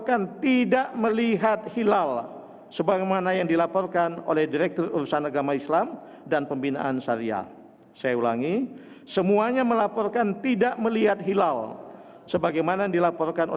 wakil dari bapak majelis ulama silakan